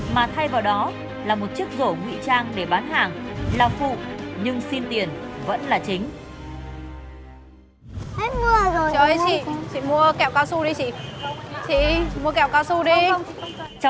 mà thay vào đó là một chiếc rổ nguy trang để bán hàng làm phụ nhưng xin tiền vẫn là chính